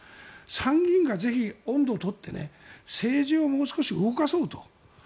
参議院がぜひ、音頭を取って政治をもう少し動かそうと。